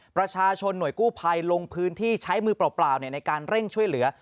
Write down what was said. ประชาชนหน่วยกู้ภัยลงพื้นที่ใช้มือเปล่าในการเร่งช่วยเหลือ